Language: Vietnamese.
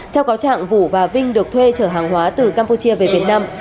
theo cáo trạng vũ và vinh được thuê chở hàng hóa từ campuchia về việt nam